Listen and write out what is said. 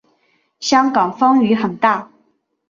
香港风雨很大